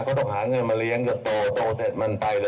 ก็ต้องหาเงินมาเลี้ยงจนโตโตเสร็จมันไปเลย